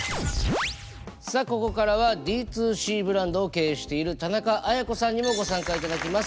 さあここからはＤ２Ｃブランドを経営している田中絢子さんにもご参加いただきます。